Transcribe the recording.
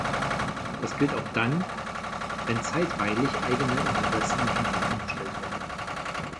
Das gilt auch dann, wenn zeitweilig eigene Interessen hinten angestellt werden.